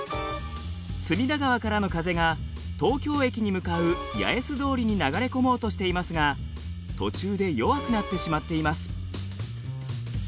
隅田川からの風が東京駅に向かう八重洲通りに流れ込もうとしていますが途中で弱くなってしまっています。